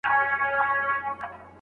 آيا له خپل زوج څخه عورت پټول په کار دي؟